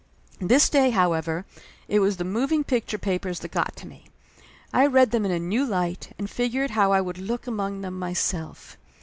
This day, however, it was the moving picture pa pers that got to me. I read them in a new light, and figured how would I look among them myself.